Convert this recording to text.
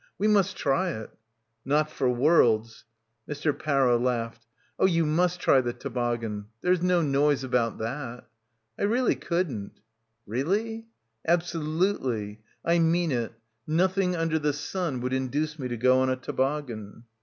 We must try it." "Not for worlds." Mr. Parrow laughed. "Oh you must try the toboggan; there's no noise about that." "I really couldn't." "Really?" "Absolutely. I mean it. Nothing under the sun would induce me to go on a toboggan."